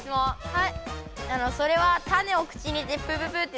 はい。